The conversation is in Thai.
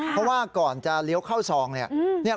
เพราะว่าก่อนจะเลี้ยวเข้าซองเนี่ย